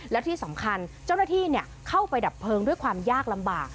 และที่สำคัญเจ้าหน้าที่เข้าไปดับเพลิงด้วยความยากลำบาก